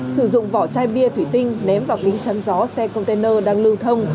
sử dụng vỏ chai bia thủy tinh ném vào kính chắn gió xe container đang lưu thông